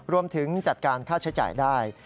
รวมถึงจัดการค่าใช้จ่ายได้